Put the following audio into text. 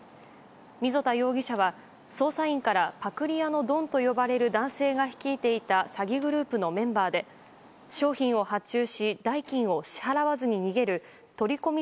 溝田容疑者は捜査員からパクリ屋のドンと呼ばれる男性が率いていた詐欺グループのメンバーで商品を発注し代金を支払わずに逃げる取り込み